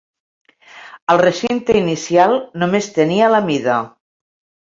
El recinte inicial només tenia la mida.